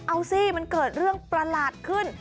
เอาสิมันเกิดเรื่องประหลาดขึ้น